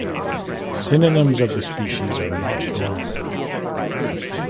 Synonyms of the species are not known.